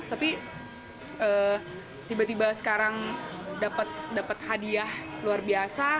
tapi tiba tiba sekarang dapat hadiah luar biasa